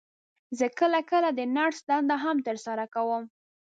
زه کله کله د نرس دنده هم تر سره کوم.